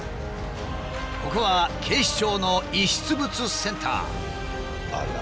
ここは警視庁の遺失物センター。